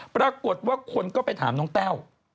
ปรากฏว่าคนก็ไปถามน้องแต้ว